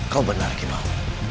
kau benar kimau